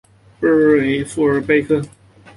富尔贝克。